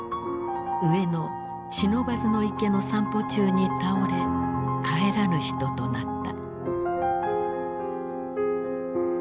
上野・不忍池の散歩中に倒れ帰らぬ人となった。